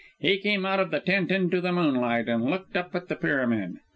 He came out of the tent into the moonlight, and looked up at the pyramid.